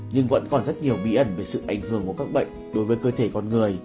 nhưng vẫn còn rất nhiều bí ẩn về sự ảnh hưởng của các bệnh đối với cơ thể con người